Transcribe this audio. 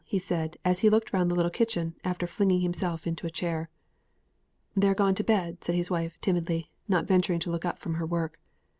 he said, as he looked round the little kitchen, after flinging himself into a chair. "They're gone to bed," said his wife, timidly, not venturing to look up from her work.